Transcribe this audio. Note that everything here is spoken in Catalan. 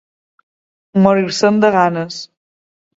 Morir-se'n de ganes.